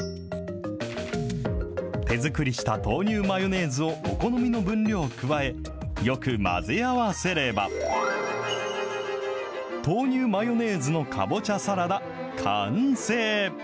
手作りした豆乳マヨネーズをお好みの分量加え、よく混ぜ合わせれば、豆乳マヨネーズのかぼちゃサラダ、完成。